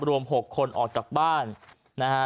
รวม๖คนออกจากบ้านนะฮะ